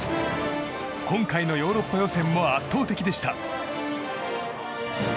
今回のヨーロッパ予選も圧倒的でした。